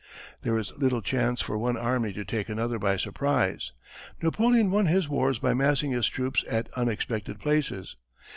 "There is little chance for one army to take another by surprise. Napoleon won his wars by massing his troops at unexpected places.